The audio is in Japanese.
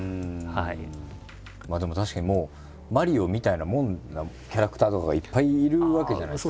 まあでも確かにもう「マリオ」みたいなもんキャラクターとかがいっぱいいるわけじゃないですか。